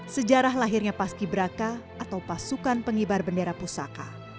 sejarah lahirnya paskibraka atau pasukan penghibar bendera pusaka